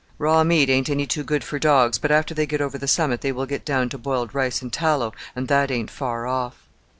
"Raw meat ain't any too good for dogs, but after they get over the summit they will get down to boiled rice and tallow and that ain't far off."